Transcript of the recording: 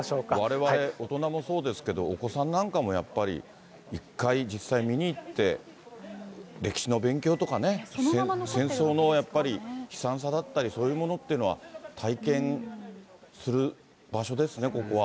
われわれ大人もそうですけど、お子さんなんかもやっぱり、一回、実際見に行って、歴史の勉強とかね、戦争のやっぱり悲惨さだったり、そういうものっていうのは、体験する場所ですね、ここは。